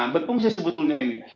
berfungsi sebetulnya ini